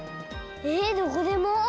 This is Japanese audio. えどこでも？